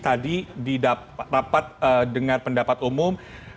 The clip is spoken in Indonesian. tadi di rapat dengan pendapat umum